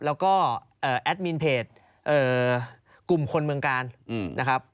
แล้วก็แอดมินเพจกลุ่มคนเมืองกาลนะครับ